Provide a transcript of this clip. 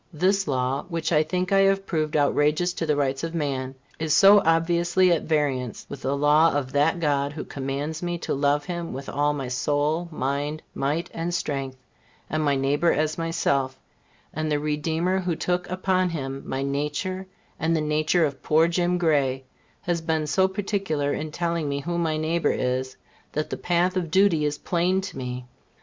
This law, which I think I have proved outrageous to the rights of man, is so obviously at variance with the law of that God who commands me to love Him with all my soul, mind, might and strength, and my neighbor as myself, and the Redeemer who took upon him my nature and the nature of poor Jim Gray has been so particular in telling me who my neighbor is, that the path of duty is plain to me.